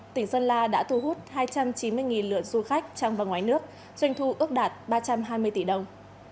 tỉnh sơn la đã thu hút hai trăm chín mươi lượt du khách trong và ngoài nước doanh thu ước đạt ba trăm hai mươi tỷ đồng